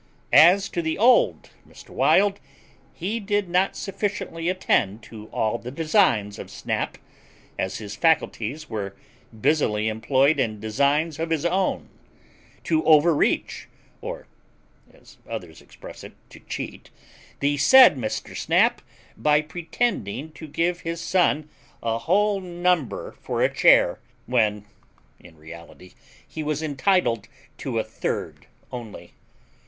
As to the old Mr. Wild, he did not sufficiently attend to all the designs of Snap, as his faculties were busily employed in designs of his own, to overreach (or, as others express it, to cheat) the said Mr. Snap, by pretending to give his son a whole number for a chair, when in reality he was intitled to a third only.